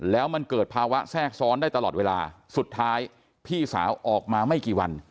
แล้วมันเกิดภาวะแทรกซ้อนได้ตลอดเวลาสุดท้ายพี่สาวออกมาไม่กี่วัน